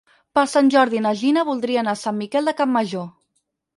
Per Sant Jordi na Gina voldria anar a Sant Miquel de Campmajor.